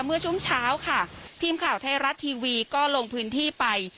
เมื่อช่วงเช้าค่ะทีมข่าวไทยรัฐทีวีก็ลงพื้นที่ไป